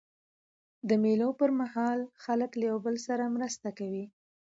د مېلو پر مهال خلک له یوه بل سره مرسته کوي.